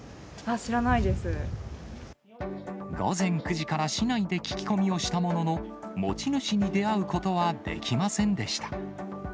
午前９時から市内で聞き込みをしたものの、持ち主に出会うことはできませんでした。